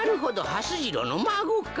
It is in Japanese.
はす次郎のまごか。